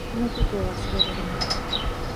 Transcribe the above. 君のことを忘れられない